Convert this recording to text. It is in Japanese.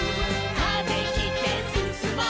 「風切ってすすもう」